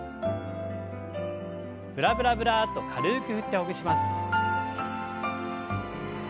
ブラブラブラッと軽く振ってほぐします。